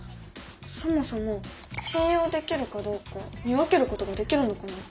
そもそも信用できるかどうか見分けることができるのかな？